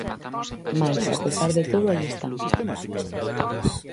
Mais, a pesar de todo, aí están.